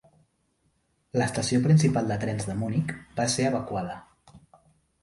L'estació principal de trens de Munic va ser evacuada.